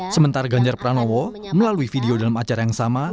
sementara ganjar pranowo melalui video dalam acara yang sama